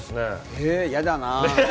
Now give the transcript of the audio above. え、やだな。